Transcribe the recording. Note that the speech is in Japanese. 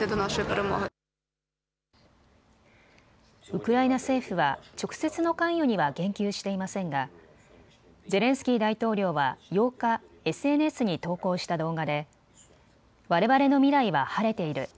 ウクライナ政府は直接の関与には言及していませんがゼレンスキー大統領は８日ＳＮＳに投稿した動画でわれわれの未来は晴れている。